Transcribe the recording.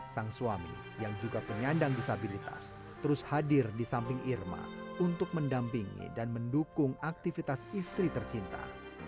sang suami yang juga penyandang disabilitas terus hadir di samping irma untuk mendampingi dan mendukung aktivitas istri tercinta